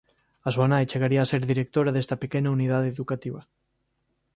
A súa nai chegaría a ser directora desta pequena unidade educativa.